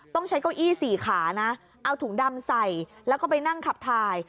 ต้องใช้เก้าอี้สี่ขานะเอาถุงดำใส่แล้วก็ไปนั่งขับถ่าย